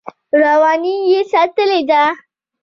رواني یې ساتلې ده.